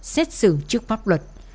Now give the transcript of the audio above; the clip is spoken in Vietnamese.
xét xử trước bác luật